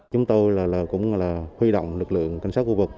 chúng tôi cũng huy động lực lượng cảnh sát khu vực